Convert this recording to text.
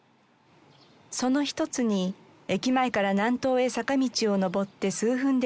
その一つに駅前から南東へ坂道を上って数分で着きます。